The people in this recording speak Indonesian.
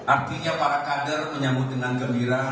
artinya para kader menyambut dengan gembira